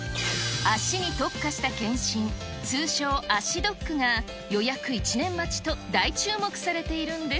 足に特化した検診、通称、足ドックが、予約１年待ちと大注目されているんです。